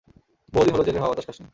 বহুদিন হলো জেলের হাওয়া-বাতাস খাসনি।